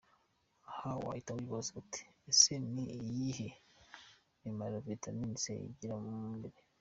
Aha wahita wibaza uti; Ese ni iyihe mimaro vitamin C igira mu mubiri?.